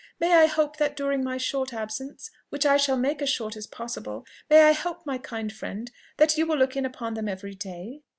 May I hope that during my short absence which I shall make as short as possible, may I hope, my kind friend, that you will look in upon them every day?"